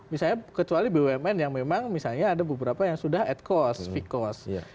misalnya kecuali bumn yang memang misalnya ada beberapa yang sudah at cost fee cost